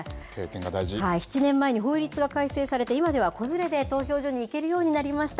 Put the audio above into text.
７年前に法律が改正されて、今では子連れで投票所に行けるようになりました。